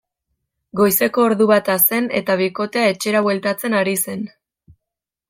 Goizeko ordu bata zen eta bikotea etxera bueltatzen ari zen.